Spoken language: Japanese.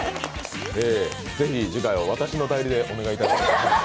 ぜひ次回は私の代理でお願いいたします。